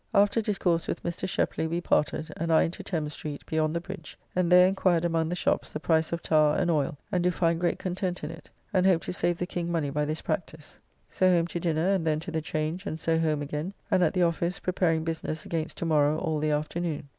After discourse with Mr. Shepley we parted, and I into Thames Street, beyond the Bridge, and there enquired among the shops the price of tarre and oyle, and do find great content in it, and hope to save the King money by this practice. So home to dinner, and then to the Change, and so home again, and at the office preparing business against to morrow all the afternoon.